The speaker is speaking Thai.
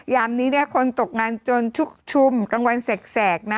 ยามนี้คนตกงานจนชุ่มจบกลางวันแสก